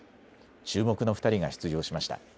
注目の２人が出場しました。